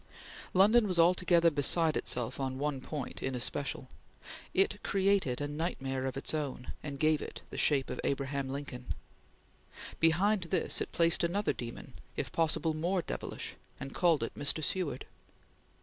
London was altogether beside itself on one point, in especial; it created a nightmare of its own, and gave it the shape of Abraham Lincoln. Behind this it placed another demon, if possible more devilish, and called it Mr. Seward.